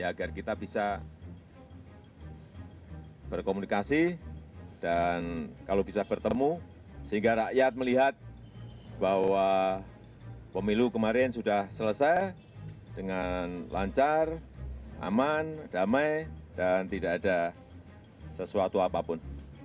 agar kita bisa berkomunikasi dan kalau bisa bertemu sehingga rakyat melihat bahwa pemilu kemarin sudah selesai dengan lancar aman damai dan tidak ada sesuatu apapun